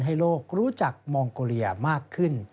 ให้โลกรู้จักมองโกเลียมากขึ้น